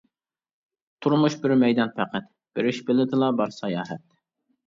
تۇرمۇش بىر مەيدان پەقەت بېرىش بېلىتىلا بار ساياھەت.